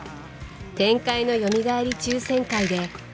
天界のよみがえり抽選会で